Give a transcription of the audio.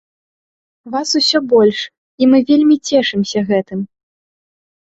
Вас усё больш, і мы вельмі цешымся гэтым.